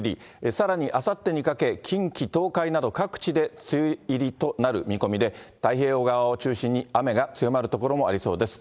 さらにあさってにかけ、近畿、東海など各地で梅雨入りとなる見込みで、太平洋側を中心にこのあと雨が強まる所もありそうです。